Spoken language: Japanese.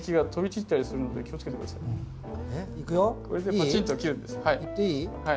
いっていい？